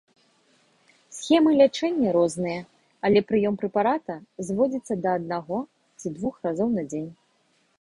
Схемы лячэння розныя, але прыём прэпарата зводзіцца да аднаго ці двух разоў на дзень.